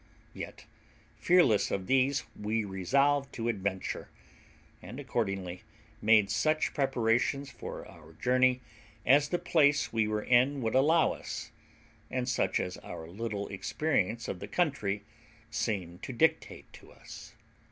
Yet, fearless of all these, we resolved to adventure, and accordingly made such preparations for our journey as the place we were in would allow us, and such as our little experience of the country seemed to dictate to us.